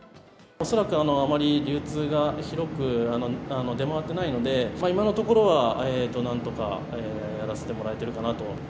恐らく、あまり流通が広く出回ってないので、今のところはなんとかやらせてもらえているかなと。